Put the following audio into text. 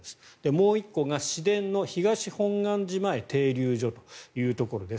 もう１個が市電の東本願寺前停留所というところです。